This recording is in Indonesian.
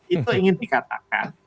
itu ingin dikatakan